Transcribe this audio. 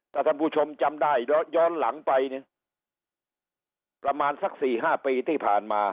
ถ้าท่านผู้ชมจำได้ย้อนหลังไปเนี่ยประมาณสัก๔๕ปีที่ผ่านมา